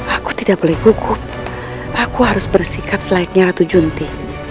aku tidak boleh buku aku harus bersikap selayaknya ratu junti